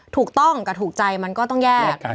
ถูกต้องกับถูกใจมันก็ต้องแยก